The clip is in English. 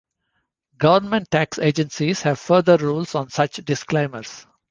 Government tax agencies have further rules on such disclaimers.